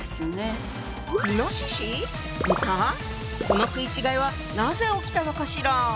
この食い違いはなぜ起きたのかしら？